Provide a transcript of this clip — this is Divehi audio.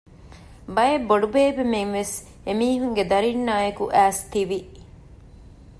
ބައެއް ބޮޑުބޭބެމެންވެސް އެމީހުންގެ ދަރިންނާއެކު އައިސް ތިވި